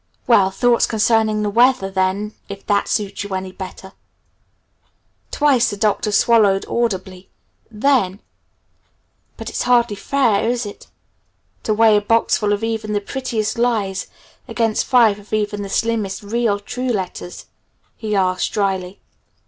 "Well, thoughts concerning the weather, then if that suits you any better." Twice the Doctor swallowed audibly. Then, "But it's hardly fair is it to weigh a boxful of even the prettiest lies against five of even the slimmest real, true letters?" he asked drily.